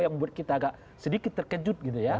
yang membuat kita agak sedikit terkejut